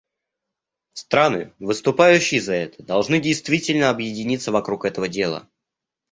Страны, выступающие за это, должны действительно объединиться вокруг этого дела.